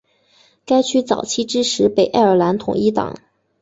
该区早期支持北爱尔兰统一党。